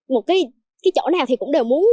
một cái chỗ nào thì cũng đều muốn